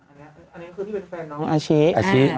อันนี้คือที่เป็นแฟนน้องอาชิอาชิ